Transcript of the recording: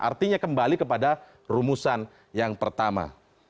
artinya kembali kepada rumusan yang pertama